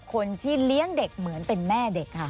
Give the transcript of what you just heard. ควิทยาลัยเชียร์สวัสดีครับ